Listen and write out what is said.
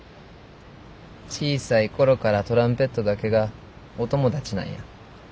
小さい頃からトランペットだけがお友達なんや。